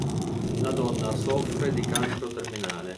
La donna soffre di cancro terminale.